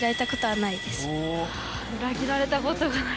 「裏切られたことがない」。